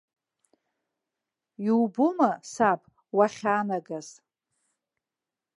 Иубома, саб, уахьаанагаз?